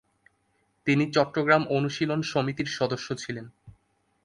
তিনি চট্টগ্রাম অনুশীলন সমিতির সদস্য ছিলেন।